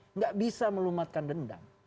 tidak bisa melumatkan dendam